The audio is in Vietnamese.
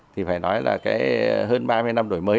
thì phải nói là cái hơn ba mươi năm đổi mới